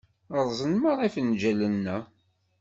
Rrẓen merra ifenǧalen-a.